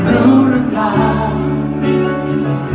รู้หรือเปล่า